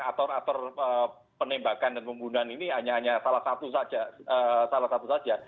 aktor aktor penembakan dan pembunuhan ini hanya salah satu saja